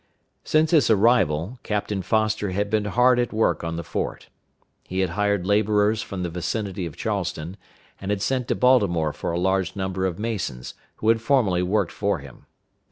Since his arrival, Captain Foster had been hard at work on the fort. He had hired laborers from the vicinity of Charleston, and had sent to Baltimore for a large number of masons who had formerly worked for him.